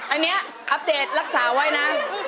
อันนี้อัปเดตรักษาไว้นะ